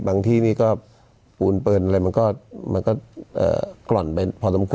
บางทีนี่ก็ปูลเบินอะไรมันก็กร่อนไปพอดำคุณ